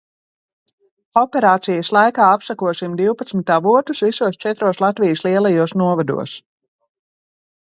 Operācijas laikā apsekosim divpadsmit avotus visos četros Latvijas lielajos novados.